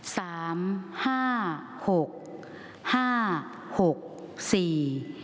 สามห้าหกห้าหกสี่